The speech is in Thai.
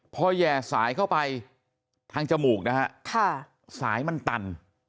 พอแห่สายเข้าไปทางจมูกนะฮะสายมันตัน